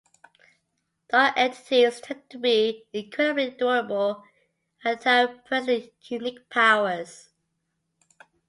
Dark entities tend to be incredibly durable and have personally unique powers.